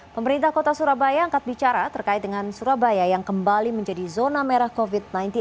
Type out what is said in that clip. pemerintah kota surabaya angkat bicara terkait dengan surabaya yang kembali menjadi zona merah covid sembilan belas